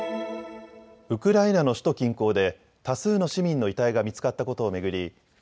ウクライナの首都近郊で多数の市民の遺体が見つかったことを巡り